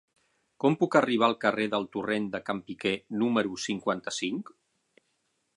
Com puc arribar al carrer del Torrent de Can Piquer número cinquanta-cinc?